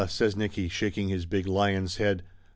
says Nicky, shaking his big lion's head.